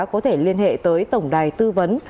có thể liên hệ tới tổng đài tư vấn